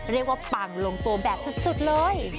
เรียกว่าปังลงตัวแบบสุดเลย